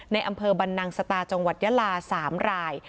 ในอำเภอบรรนังสตาจังหวัดยาลา๓ราย